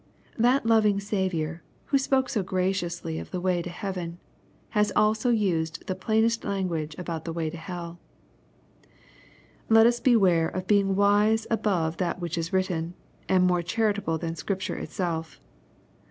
That loving Saviour, who spoke so graciously of the way to heaven, has also used the plainest lan guage about the way to helL Let us beware of being wise above that which is writ ten, and more charitable thafl Scripture itself.